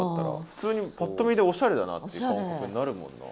普通にパッと見でおしゃれだなっていう感覚になるもんな。